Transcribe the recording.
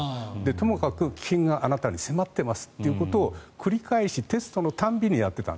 ともかく危険があなたに迫っていますということを繰り返しテストの度にやってた。